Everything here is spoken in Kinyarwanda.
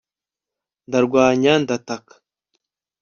ndarwanya ndataka